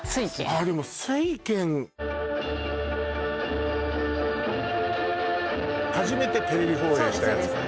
あっでも「酔拳」初めてテレビ放映したやつね